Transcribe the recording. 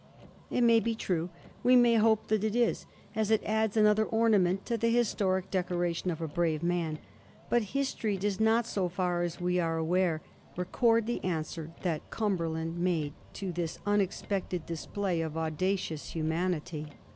It may be true ; we may hope that it is, as it adds another ornament to the historic decoration of a brave man — but history does not, so far as we are aware, record the answer that Cumberland made to this unexpected display of audacious humanity.